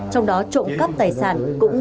trong đó trộm cắp tài sản cũng